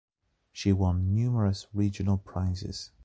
She won numerous regional prizes.